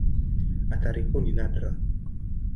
Athari kuu ni nadra.